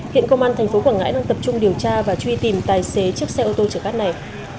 hiện công an thành phố quảng ngãi đang tập trung điều tra và truy tìm tài xế chiếc xe ô tô chở cắt này